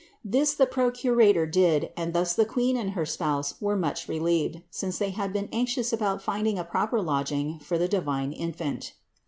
This the procurator did and thus the Queen and her spouse were much relieved, since they had been anxious about finding a proper lodging for the divine Infant.